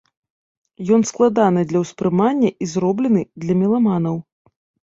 Ён складаны для ўспрымання і зроблены для меламанаў.